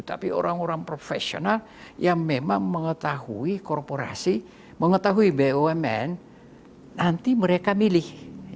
tapi orang orang profesional yang memang mengetahui korporasi mengetahui bumn nanti mereka milih